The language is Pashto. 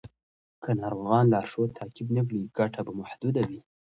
که ناروغان لارښود تعقیب نه کړي، ګټه به محدوده وي.